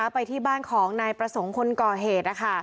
ไปที่บ้านของนายประสงค์คนก่อเหตุ